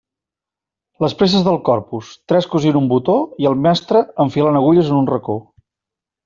Les presses del Corpus: tres cosint un botó i el mestre enfilant agulles en un racó.